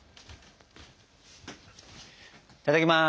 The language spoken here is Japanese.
いただきます。